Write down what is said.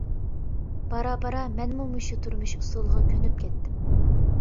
بارا-بارا مەنمۇ مۇشۇ تۇرمۇش ئۇسۇلىغا كۆنۈپ كەتتىم.